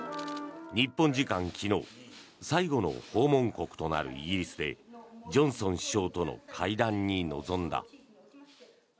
日本時間昨日最後の訪問国となるイギリスでジョンソン首相との会談に臨んだ。